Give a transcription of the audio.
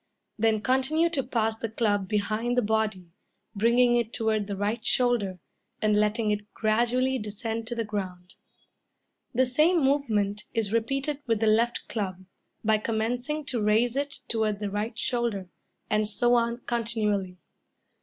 Then continue to pass the club behind the body, bringing it toward the right shoulder, and letting it gradually descend to the ground. The same movement is repeated with the left club, by commencing to raise it toward the right shoulder, and so on continually.